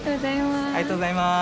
ありがとうございます。